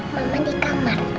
mama di kamar